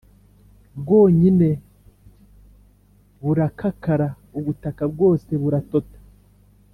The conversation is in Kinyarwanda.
bwonyine burakakara ubutaka bwose buratota